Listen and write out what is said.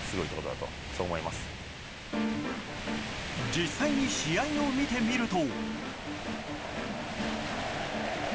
実際に試合を見てみると。